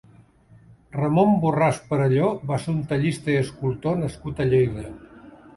Ramon Borràs Perelló va ser un tallista i escultor nascut a Lleida.